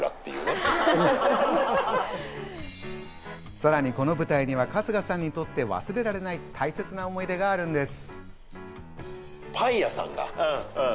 さらにこの舞台には春日さんにとって、忘れられない大切な思い出があるんです。